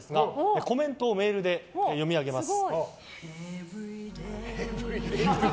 コメントをメールで読み上げます。